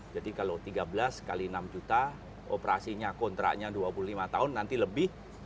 jadi kalau tiga belas kali enam juta operasinya kontraknya dua puluh lima tahun nanti lebih